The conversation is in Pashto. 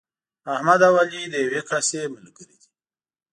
احمد او علي د یوې کاسې ملګري دي.